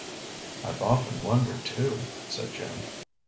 "I've often wondered, too," said Jim.